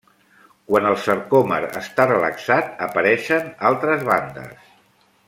Quan el sarcòmer està relaxat apareixen altres bandes.